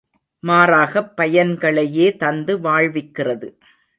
மாறாகப் பயன்களையே தந்து வாழ்விக்கிறது.